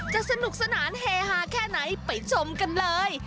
สนุกสนานเฮฮาแค่ไหนไปชมกันเลย